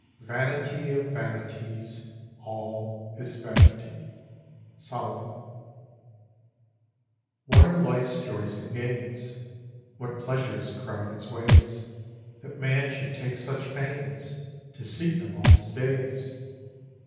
] 'Vanity of vanities, all is vanity.'—SOLOMON. WHAT are life's joys and gains? What pleasures crowd its ways, That man should take such pains To seek them all his days?